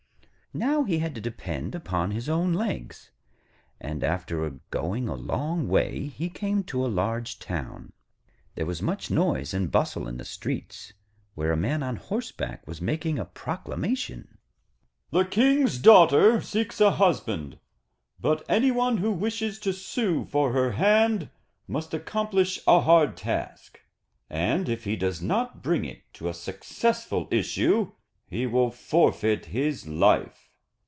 Now he had to depend upon his own legs, and after going a long way he came to a large town. There was much noise and bustle in the streets, where a man on horseback was making a proclamation. 'The King's daughter seeks a husband, but any one who wishes to sue for her hand must accomplish a hard task; and if he does not bring it to a successful issue, he will forfeit his life.'